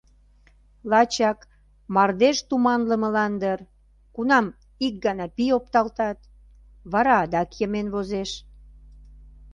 Лачак — мардеж туманлымылан дыр — кунам ик гана пий опталтат, вара адак йымен возеш.